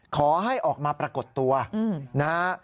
ขอให้ออกมาปรากฏตัวนะฮะ